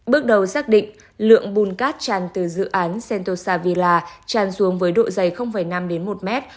bước đầu xác định lượng bùn cát tràn từ dự án centosa villa tràn xuống với độ dày năm một mét